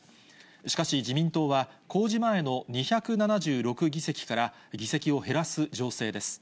しかし、自民党は、公示前の２７６議席から、議席を減らす情勢です。